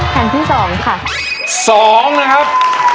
แผ่นที่สองค่ะสองนะครับ